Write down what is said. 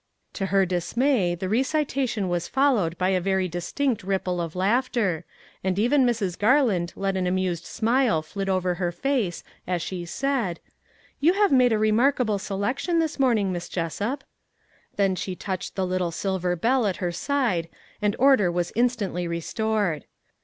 To her dismay the recitation was followed by a very distinct ripple of laughter, and even Mrs. Garland let an amused smile flit over her face as she said :" You have made a remarkable selection this morning, Miss Jes sup." Then she touched the little silver bell at her side and order was instantly restored.